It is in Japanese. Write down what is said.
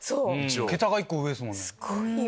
桁が１個上ですもん。